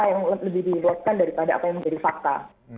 yang lebih dilibatkan daripada apa yang menjadi fakta